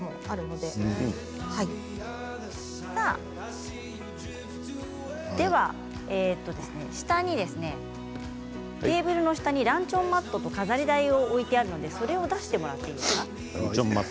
では下にテーブルの下にランチョンマットと飾り台を置いてあるのでそれを出してもらっていいですか。